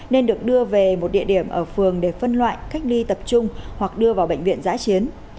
nên được đưa về một địa điểm ở phường để phân loại cách ly tập trung hoặc đưa vào bệnh viện giã chiến